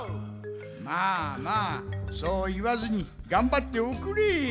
まあまあそういわずにがんばっておくれ。